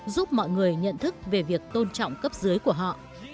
giúp mọi người nhận thức về việc tôn trọng cấp dưới của họ